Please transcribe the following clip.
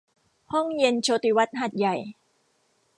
ห้องเย็นโชติวัฒน์หาดใหญ่